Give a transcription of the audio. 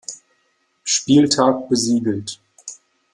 Spieltag besiegelt.